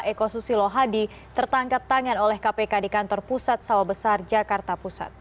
eko susilo hadi tertangkap tangan oleh kpk di kantor pusat sawah besar jakarta pusat